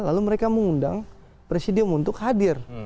lalu mereka mengundang presidium untuk hadir